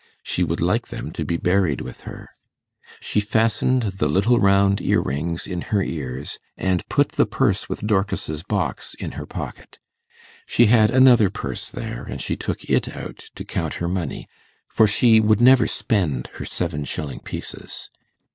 She would like them to be buried with her. She fastened the little round earrings in her ears, and put the purse with Dorcas's box in her pocket. She had another purse there, and she took it out to count her money, for she would never spend her seven shilling pieces.